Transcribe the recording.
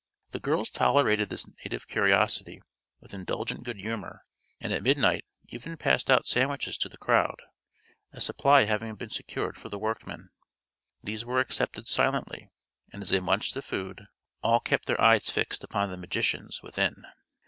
The girls tolerated this native curiosity with indulgent good humor and at midnight even passed out sandwiches to the crowd, a supply having been secured for the workmen. These were accepted silently, and as they munched the food all kept their eyes fixed upon the magicians within.